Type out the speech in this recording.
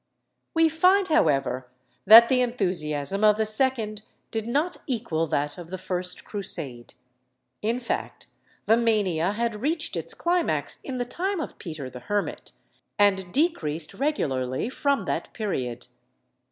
We find, however, that the enthusiasm of the second did not equal that of the first Crusade; in fact, the mania had reached its climax in the time of Peter the Hermit, and decreased regularly from that period.